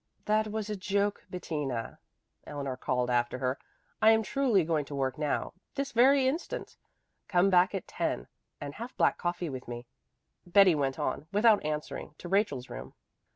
"That was a joke, Bettina," Eleanor called after her. "I am truly going to work now this very instant. Come back at ten and have black coffee with me." Betty went on without answering to Rachel's room.